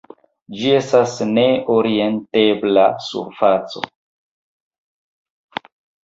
Ĝi estas ne-orientebla surfaco.